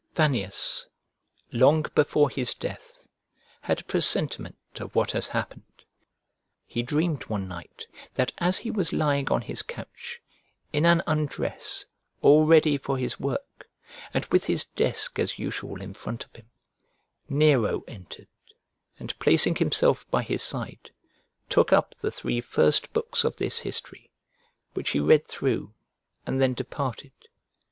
Fannius, long before his death, had a presentiment of what has happened: he dreamed one night that as he was lying on his couch, in an undress, all ready for his work, and with his desk, as usual, in front of him, Nero entered, and placing himself by his side, took up the three first books of this history, which he read through and then departed.